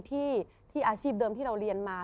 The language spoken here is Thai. อาชีพเดิมที่เราเรียนมา